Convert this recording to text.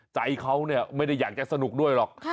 ใจเขาเนี่ยไม่ได้อยากจะสนุกด้วยหรอก